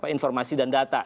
informasi dan data